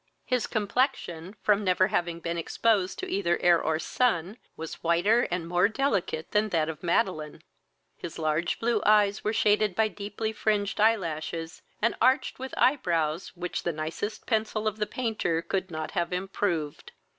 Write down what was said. His complexion, from never having been exposed to either air or sun, was whiter and more delicate that that of Madeline: his large blue eyes were shaded by deeply fringed eye lashes, and arched with eye brows which the nicest pencil of the painter could not have improved.